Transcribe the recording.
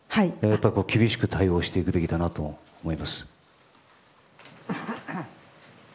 厳しく対応していくべきだなと思います。